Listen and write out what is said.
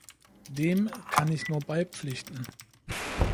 Dem kann ich nur beipflichten.